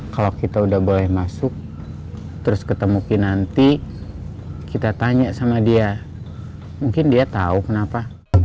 kalau kita udah boleh masuk terus ketemu pinanti kita tanya sama dia mungkin dia tahu kenapa